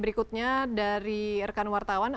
berikutnya dari rekan wartawan